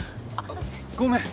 ごめん！